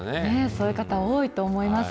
そういう方、多いと思います。